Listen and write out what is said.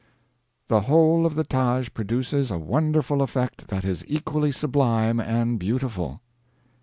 "The whole of the Taj produces a wonderful effect that is equally sublime and beautiful."